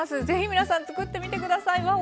是非皆さん作ってみて下さい。